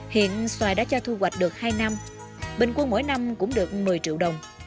hiện xoài đã cho thu hoạch được hai năm bình quân mỗi năm cũng được một mươi triệu đồng